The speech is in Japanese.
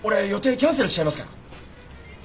キャンセルしちゃいますから。